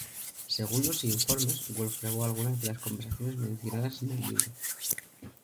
Según los informes, Wolff grabó algunas de las conversaciones mencionadas en el libro.